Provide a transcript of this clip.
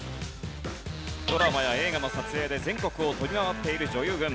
ドラマや映画の撮影で全国を飛び回っている女優軍。